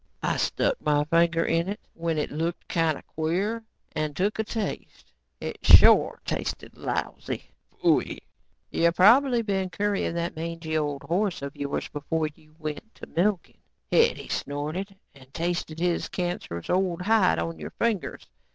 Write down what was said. "I stuck my finger in it when it looked kinda queer, and took a taste. It shore tasted lousy." "You probably been currying that mangey old horse of yours before you went to milking," Hetty snorted, "and tasted his cancerous old hide on your fingers.